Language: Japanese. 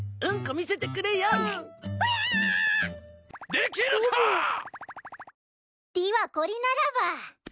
でぃはこりならば。